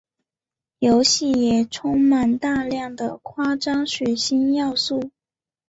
游戏也充满大量的夸张血腥要素。